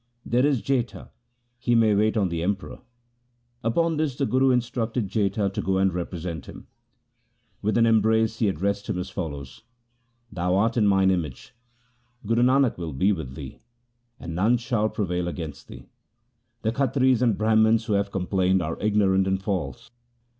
There is Jetha; he may wait on the Emperor.' Upon this the Guru instructed Jetha to go and represent him. With an embrace he addressed him as follows :' Thou art in mine image ; Guru Nanak will be with thee, and none shall pre io6 THE SIKH RELIGION vail against thee. The Khatris and Brahmans who have complained are ignorant and false.